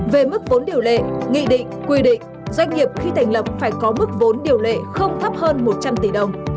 về mức vốn điều lệ nghị định quy định doanh nghiệp khi thành lập phải có mức vốn điều lệ không thấp hơn một trăm linh tỷ đồng